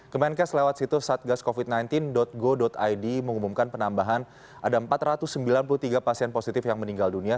kemenkes lewat situs satgascovid sembilan belas go id mengumumkan penambahan ada empat ratus sembilan puluh tiga pasien positif yang meninggal dunia